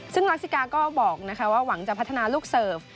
ซึ่งรักษิกาก็บอกว่าหวังจะพัฒนาลูกเสิร์ฟ